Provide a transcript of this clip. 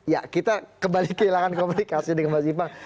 ya kita kembali kehilangan komunikasi dengan mas ipang